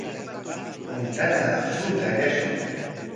Puntata akshuta allashun.